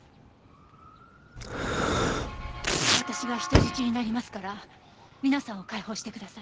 私が人質になりますから皆さんを解放してください。